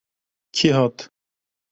Kî hat?